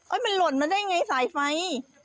โอ๊ยมันหล่นมาได้ไงใส่ไฟ